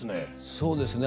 そうですね。